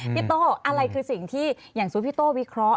โต้อะไรคือสิ่งที่อย่างสมมุติพี่โต้วิเคราะห